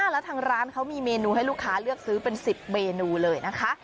แล้วทางร้านเขามีเมนูให้ลูกค้าเลือกซื้อเป็น๑๐เมนูเลยนะคะ